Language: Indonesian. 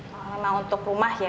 memang untuk rumah ya